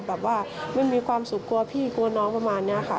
แบบว่าไม่มีความสุขกลัวพี่กลัวน้องประมาณนี้ค่ะ